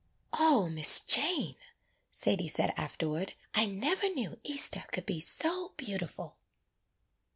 '^ "Oh, Miss Jane," Sadie said afterward, "I never knew Easter could be so beautiful